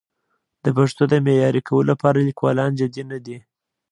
د پښتو د معیاري کولو لپاره لیکوالان جدي نه دي.